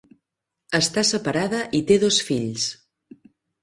Esta separada i té dos fills.